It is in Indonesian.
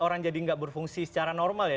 orang jadi nggak berfungsi secara normal ya